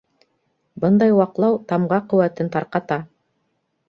Бындай ваҡлау тамға ҡеүәтен тарҡата.